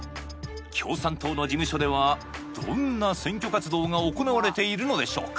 共産党の事務所では、どんな選挙活動が行われているのでしょうか。